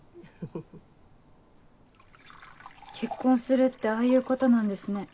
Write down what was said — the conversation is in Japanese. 結婚するってああいうことなんですね。